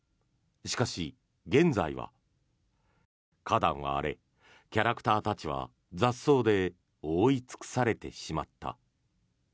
しかし、現在は花壇は荒れ、キャラクターたちは雑草で覆い尽くされてしまった。